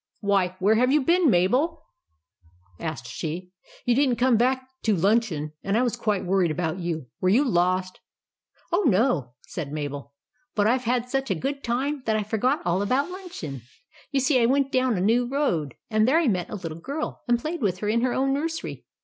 "Why, where have you been, Mabel?" THE GIANT'S CASTLE 179 asked she. "You didn't come back to luncheon, and I was quite worried about you. Were you lost ?"" Oh, no," said Mabel ;" but I Ve had such a good time that I forgot all about luncheon. You see I went down a new road, and there I met a little girl and played with her in her own nursery.